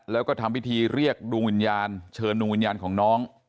แล้วก็ทำพิธีเรียกดวงวิญญาณเชิญดวงวิญญาณของน้อง